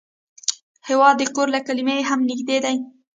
هېواد د کور له کلمې هم نږدې دی.